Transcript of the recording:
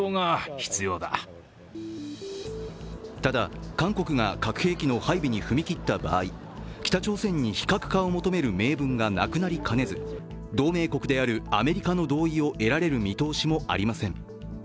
政府関係者は核武装論について市民は北朝鮮に非核化を求める名分がなくなりかねず、同盟国であるアメリカの同意を得るられる見通しもありません。